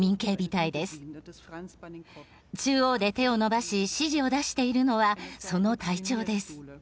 中央で手を伸ばし指示を出しているのはその隊長です。